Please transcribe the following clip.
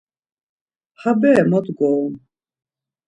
Ha bere mot gorum?